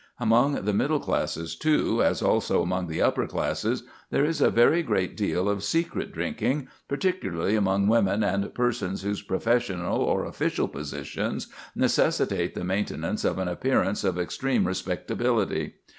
Among the middle classes, too, as also among the upper classes, there is a very great deal of secret drinking, particularly among women and persons whose professional or official positions necessitate the maintenance of an appearance of extreme respectability.